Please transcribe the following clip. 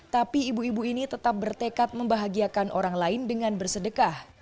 tapi ibu ibu ini tetap bertekad membahagiakan orang lain dengan bersedekah